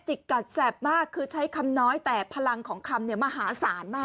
กัดแสบมากคือใช้คำน้อยแต่พลังของคำเนี่ยมหาศาลมาก